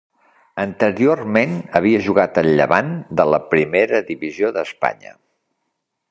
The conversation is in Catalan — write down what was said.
Anteriorment havia jugat al Llevant de la Primera Divisió d'Espanya.